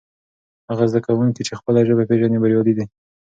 هغه زده کوونکی چې خپله ژبه پېژني بریالی دی.